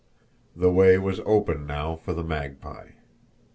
The way was open now for the Magpie!